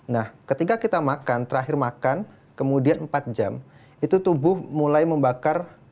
nah ketika kita makan terakhir makan kemudian empat jam itu tubuh mulai membakar